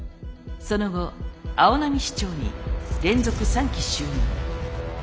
その後青波市長に連続３期就任。